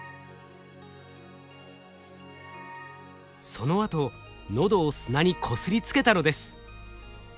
そのあと喉を砂にこすりつけたのです。